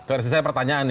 versi saya pertanyaan ini